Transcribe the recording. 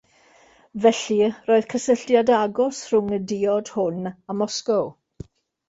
Felly, roedd cysylltiad agos rhwng y diod hwn a Moscow.